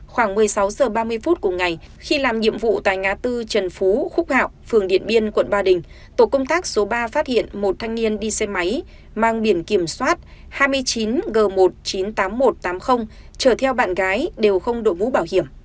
khoảng một mươi sáu h ba mươi phút cùng ngày khi làm nhiệm vụ tại ngã tư trần phúch hạo phường điện biên quận ba đình tổ công tác số ba phát hiện một thanh niên đi xe máy mang biển kiểm soát hai mươi chín g một trăm chín mươi tám nghìn một trăm tám mươi chở theo bạn gái đều không đội mũ bảo hiểm